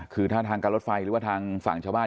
คือถ้าทางการรถไฟหรือว่าทางฝั่งชาวบ้าน